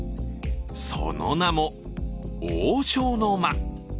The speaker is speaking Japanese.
その名も王将の間。